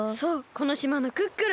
この島のクックルン！